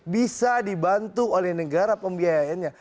bisa dibantu oleh negara pembiayaannya